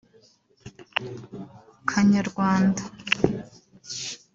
Kanyarwanda